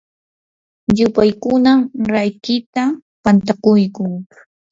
yupaykuna rakiita pantakuyquu.